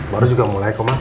baru juga mulai kok mak